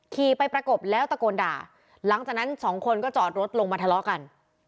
ขี่ไปประกบแล้วตะโกนด่าหลังจากนั้นสองคนก็จอดรถลงมาทะเลาะกัน